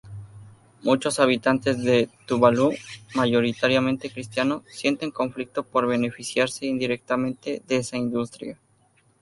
Muchos habitantes de Tuvalu, mayoritariamente cristianos, sienten conflicto por beneficiarse indirectamente de esa industria.